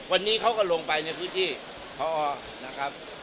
วันนี้เขาก็ลงไปในพื้นที่พอนะครับ